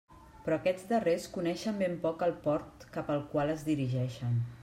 Però aquests darrers coneixen ben poc el port cap al qual es dirigeixen.